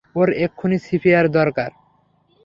ওর এক্ষুণি সিপিআর দরকার।